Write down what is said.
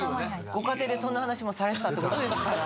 ご家庭でそんな話もされてたってことですから。